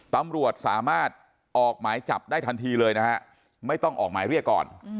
ตำรวจสามารถออกหมายจับได้ทันทีเลยนะฮะไม่ต้องออกหมายเรียกก่อน